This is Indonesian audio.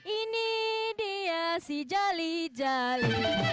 ini dia si jali jali